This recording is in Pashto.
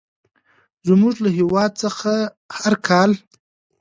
زموږ له هېواد څخه هر کال.